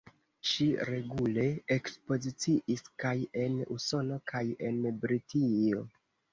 Ŝi regule ekspoziciis kaj en Usono kaj en Britio.